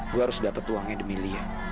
gue harus dapat uangnya demi lia